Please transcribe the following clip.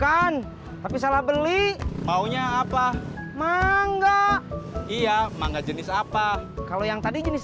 kan tapi salah beli maunya apa mangga iya mangga jenis apa kalau yang tadi jenis